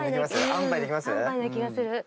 安パイな気がする。